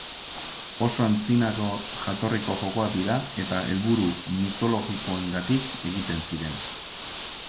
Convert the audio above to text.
Oso antzinako jatorriko jokoak dira eta helburu mitologikoengatik egiten ziren.